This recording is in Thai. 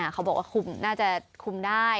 เขาบอกว่าน่าจะคุมได้